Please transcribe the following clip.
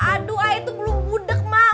aduh aya itu belum budak emak